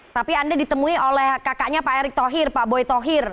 tapi anda ditemui oleh kakaknya pak erick thohir pak boy tohir